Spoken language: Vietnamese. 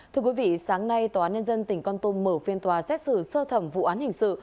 thưa quý vị sáng nay tòa án nhân dân tỉnh con tum mở phiên tòa xét xử sơ thẩm vụ án hình sự